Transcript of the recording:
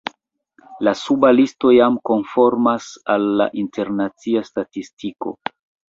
La suba listo jam konformas al la internacia statistiko.